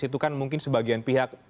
itu kan mungkin sebagian pihak